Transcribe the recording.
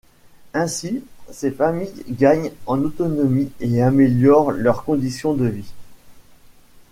Ainsi, ces familles gagnent en autonomie et améliorent leurs conditions de vie.